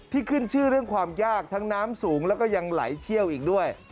ขึ้นชื่อเรื่องความยากทั้งน้ำสูงแล้วก็ยังไหลเชี่ยวอีกด้วย